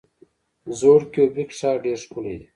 زوړ کیوبیک ښار ډیر ښکلی دی.